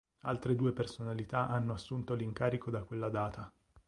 Altre due personalità hanno assunto l'incarico da quella data.